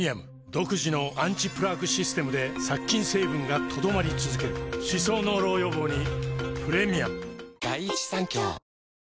独自のアンチプラークシステムで殺菌成分が留まり続ける歯槽膿漏予防にプレミアム